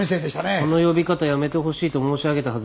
その呼び方やめてほしいと申し上げたはずですが。